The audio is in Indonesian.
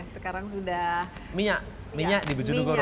sekarang sudah minyak di wajah negoro